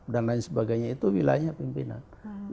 dan lain sebagainya itu wilayahnya pimpinan